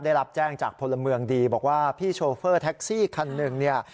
ได้รับแจ้งจากพลเมืองดีบอกว่าพี่โชเฟอร์แท็กซี่คันหนึ่งเนี่ย